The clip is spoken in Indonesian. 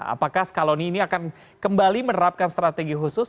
apakah scaloni ini akan kembali menerapkan strategi khusus